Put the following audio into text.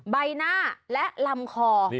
ใบหน้าและลำคอ